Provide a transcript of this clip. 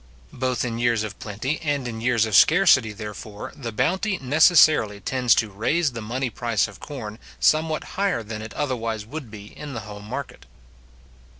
Both in years of plenty and in years of scarcity, therefore, the bounty necessarily tends to raise the money price of corn somewhat higher than it otherwise would be in the home market.